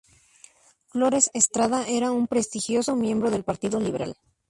Flores Estrada era un prestigioso miembro del partido liberal.